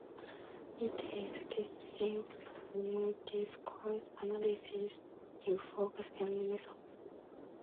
It is distinct from discourse analysis in focus and method.